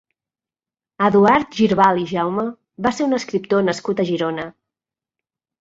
Eduard Girbal i Jaume va ser un escriptor nascut a Girona.